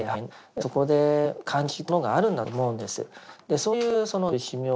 そこで感じたものがあるんだと思うんです。